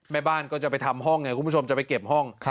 แม่บ้านก็จะไปทำห้องไงคุณผู้ชมจะไปเก็บห้อง